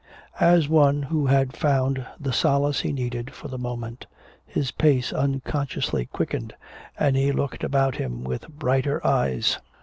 As one who had found the solace he needed for the moment, his pace unconsciously quickened and he looked about him with brighter eyes.